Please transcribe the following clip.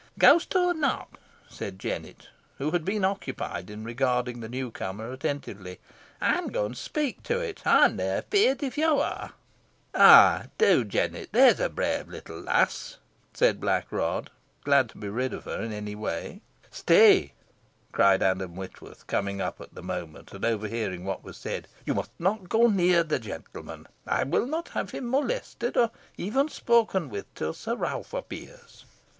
"Ghost or not," said Jennet, who had been occupied in regarding the new comer attentively, "ey'n go an speak to it. Ey'm nah afeerd, if yo are." "Eigh do, Jennet, that's a brave little lass," said Blackrod, glad to be rid of her in any way. "Stay!" cried Adam Whitworth, coming up at the moment, and overhearing what was said "you must not go near the gentleman. I will not have him molested, or even spoken with, till Sir Ralph appears."